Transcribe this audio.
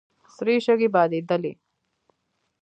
سرې شګې بادېدلې.